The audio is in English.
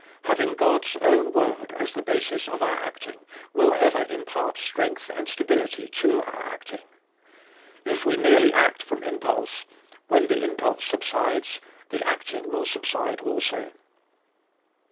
Having God's own word as the basis of our acting will ever impart strength and stability to our acting. If we merely act from impulse, when the impulse subsides, the acting will subside also.